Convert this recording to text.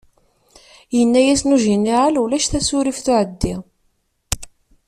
Yenna-yasen ujiniral ulac tasurift uɛeddi.